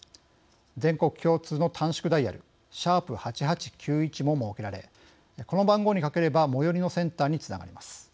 全国共通の短縮ダイヤル＃８８９１も設けられこの番号にかければ最寄りのセンターにつながります。